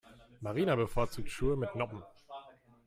Marina bevorzugt Schuhe mit Noppen.